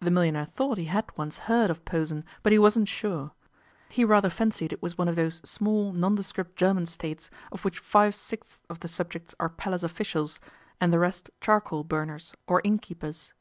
The millionaire thought he had once heard of Posen, but he wasn't sure; he rather fancied it was one of those small nondescript German States of which five sixths of the subjects are Palace officials, and the rest charcoal burners or innkeepers.